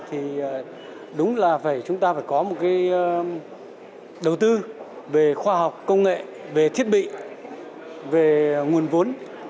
thì đúng là chúng ta phải có một cái đầu tư về khoa học công nghệ về thiết bị về nguồn vốn